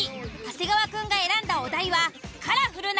長谷川くんが選んだお題は。